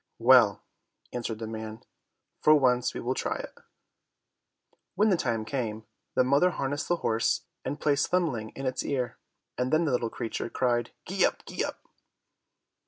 "Well," answered the man, "for once we will try it." When the time came, the mother harnessed the horse, and placed Thumbling in its ear, and then the little creature cried, "Gee up, gee up!"